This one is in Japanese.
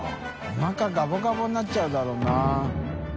覆ガボガボになっちゃうだろうな。